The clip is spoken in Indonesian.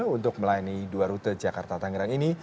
untuk melayani dua rute jakarta tangerang ini